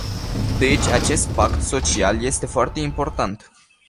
Deci, acest pact social este foarte important.